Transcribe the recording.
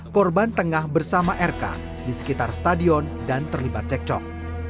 korban tengah bersama rk di sekitar stadion dan terlibat cekcok